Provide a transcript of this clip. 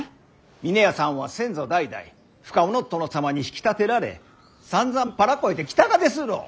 峰屋さんは先祖代々深尾の殿様に引き立てられさんざんっぱら肥えてきたがですろう？